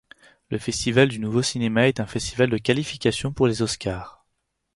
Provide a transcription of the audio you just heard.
Le Festival du nouveau cinéma est un festival de qualification pour les Oscars.